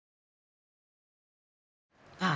ああ。